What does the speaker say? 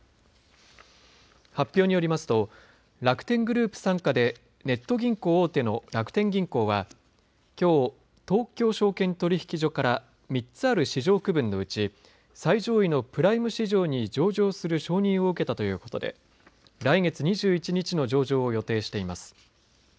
発表によりますと楽天グループ傘下でネット銀行大手の楽天銀行はきょう、東京証券取引所から３つある市場区分のうち最上位のプライム市場に上場する承認を受けたということで来月２１日の上場を予定しています。